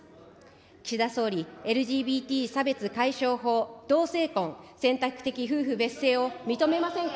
岸田総理、ＬＧＢＴ差別解消法、同性婚、選択的夫婦別姓を認めませんか。